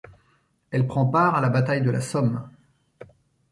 Elle prend part à la bataille de la Somme.